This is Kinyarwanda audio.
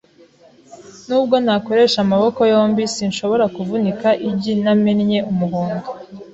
Nubwo nakoresha amaboko yombi, sinshobora kuvunika igi ntamennye umuhondo.